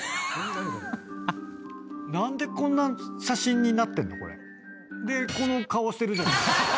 何でこんな写真になってんの？でこの顔してるじゃない。